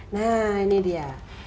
nah ini dia